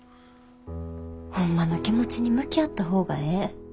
ホンマの気持ちに向き合った方がええ。